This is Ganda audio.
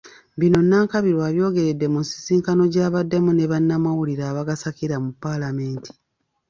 Bino Nankabirwa abyogeredde mu nsisinkano gy'abaddemu ne bannamawulire abagasakira mu paalamenti.